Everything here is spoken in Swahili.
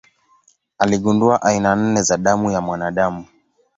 Aligundua aina nne za damu ya mwanadamu.